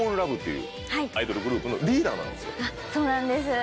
そうなんです。